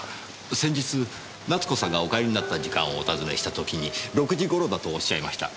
先日奈津子さんがお帰りになった時間をお尋ねした時に６時頃だとおっしゃいました。